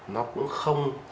nó cũng không